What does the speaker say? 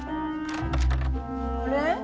あれ？